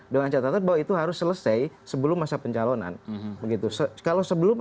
dengan catatan bahwa itu harus selesai sebelum masa pencalonan begitu